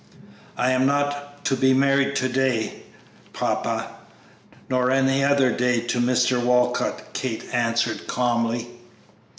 "I am not to be married to day, papa; nor any other day to Mr. Walcott," Kate answered, calmly.